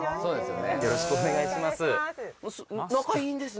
よろしくお願いします